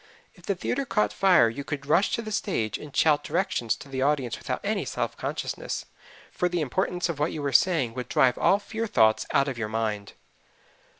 If the theater caught fire you could rush to the stage and shout directions to the audience without any self consciousness, for the importance of what you were saying would drive all fear thoughts out of your mind.